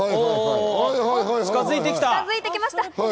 近づいてきました。